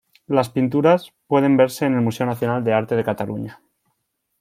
Las pinturas pueden verse en el Museo Nacional de Arte de Cataluña.